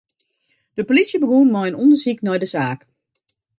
De polysje begûn mei in ûndersyk nei de saak.